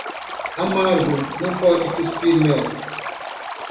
Amargo, não pode cuspir mel.